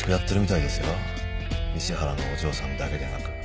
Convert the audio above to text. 西原のお嬢さんだけでなく。